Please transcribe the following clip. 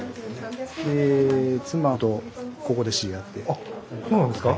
あっそうなんですか。